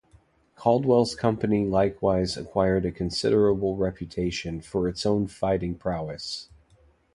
Caldwell's company likewise acquired a considerable reputation for its own fighting prowess.